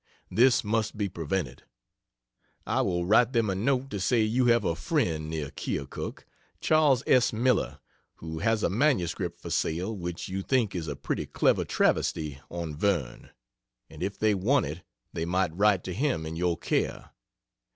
This must be prevented. I will write them a note to say you have a friend near Keokuk, Charles S. Miller, who has a MS for sale which you think is a pretty clever travesty on Verne; and if they want it they might write to him in your care.